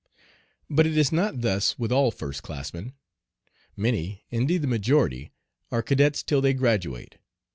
But it is not thus with all first classmen. Many, indeed the majority, are cadets till they graduate.